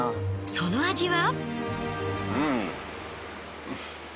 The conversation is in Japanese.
その味は？